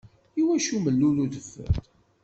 Iwacu mellul udfel?